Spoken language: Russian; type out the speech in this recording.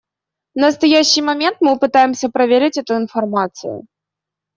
В настоящий момент мы пытаемся проверить эту информацию.